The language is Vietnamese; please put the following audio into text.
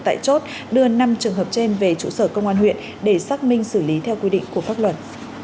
tại chốt đưa năm trường hợp trên về trụ sở công an huyện để xác minh xử lý theo quy định của pháp luật